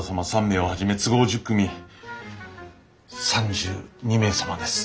３名をはじめ都合１０組３２名様です。